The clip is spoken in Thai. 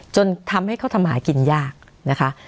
จนทำให้เขาทำหากินยากนะคะ